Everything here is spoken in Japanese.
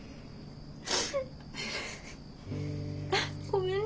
ごめんね。